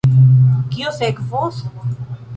Kio sekvos?